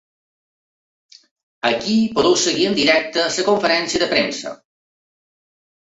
Ací podeu seguir en directe la conferència de premsa.